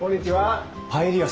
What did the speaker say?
パエリア